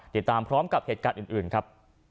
ติดตามพร้อมกับเหตุการณ์อื่นครับ